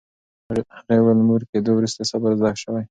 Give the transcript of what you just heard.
هغې وویل، مور کېدو وروسته صبر زده شوی.